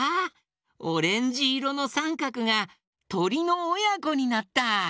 オレンジいろのさんかくがとりのおやこになった！